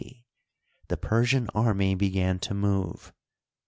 C, the Persian army began to move.